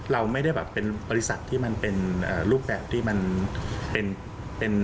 เราไม่ได้แบบเป็นบริษัทที่มันเป็นรูปแบบที่มันเป็น